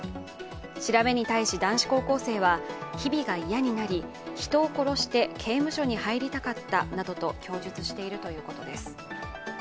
調べに対し男子高校生は、日々が嫌になり人を殺して刑務所に入りたかったなどと供述しているということです。